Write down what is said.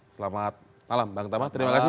selamat malam bang tama terima kasih